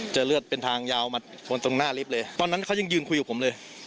เจอเลือดเป็นทางยาวมาตรงหน้าตอนนั้นเขายังยืนคุยกับผมเลย